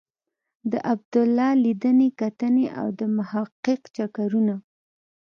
د عبدالله لیدنې کتنې او د محقق چکرونه.